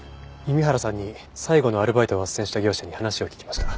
弓原さんに最後のアルバイトを斡旋した業者に話を聞きました。